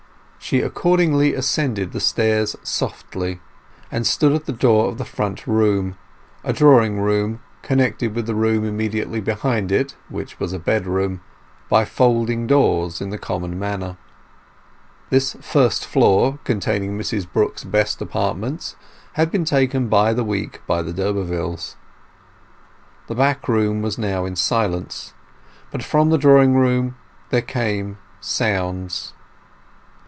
She accordingly ascended the stairs softly, and stood at the door of the front room—a drawing room, connected with the room immediately behind it (which was a bedroom) by folding doors in the common manner. This first floor, containing Mrs Brooks's best apartments, had been taken by the week by the d'Urbervilles. The back room was now in silence; but from the drawing room there came sounds.